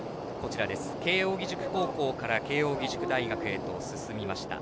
慶応義塾高校から慶応義塾大学へと進みました。